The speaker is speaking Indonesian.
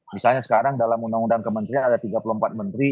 misalnya sekarang dalam undang undang kementerian ada tiga puluh empat menteri